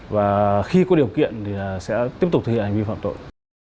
và khi có điều kiện thì sẽ tiếp tục thực hiện hành vi phạm tội